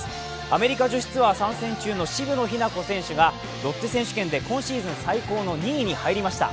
アメリカ女子ツアー参戦中の渋野日向子選手はロッテ選手権で今シーズン最高の２位に入りました。